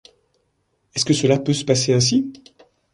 Est-ce que cela peut se passer ainsi ?